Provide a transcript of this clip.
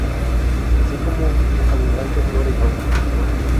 Así como abundante flora y fauna.